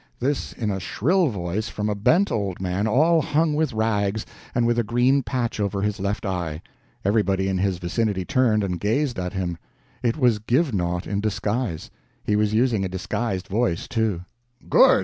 This in a shrill voice, from a bent old man, all hung with rags, and with a green patch over his left eye. Everybody in his vicinity turned and gazed at him. It was Givenaught in disguise. He was using a disguised voice, too. "Good!"